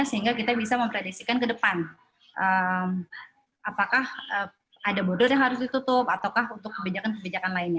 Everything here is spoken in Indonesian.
sehingga kita bisa memprediksikan ke depan apakah ada bodor yang harus ditutup ataukah untuk kebijakan kebijakan lainnya